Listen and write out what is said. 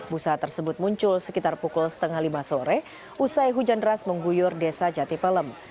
busa tersebut muncul sekitar pukul setengah lima sore usai hujan deras mengguyur desa jati pelem